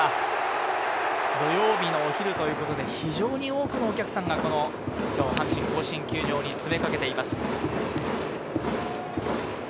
土曜日のお昼ということで非常に多くのお客さんが阪神甲子園球場に詰めかけています。